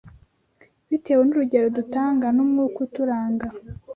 bitewe n’urugero dutanga n’umwuka uturanga.